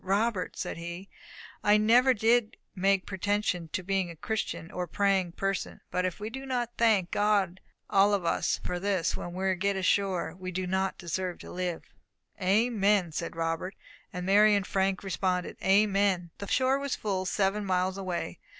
"Robert," said he, "I never did make pretension to being a Christian, or a praying person, but if we do not thank God all of us for this when we get ashore, we do not deserve to live." "Amen!" said Robert; and Mary and Frank responded, "Amen!" The shore was full seven miles away.